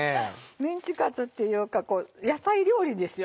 メンチカツっていうか野菜料理ですよね。